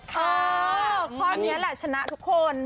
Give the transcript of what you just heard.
ข้อนี้ล่ะชนะทุกคนบอกให้รู้